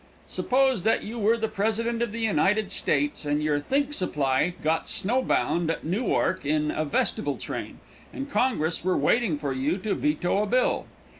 Suppose that you were the president of the United States, and your think supply got snow bound at Newark in a vestibule train, and congress were waiting for you to veto a bill.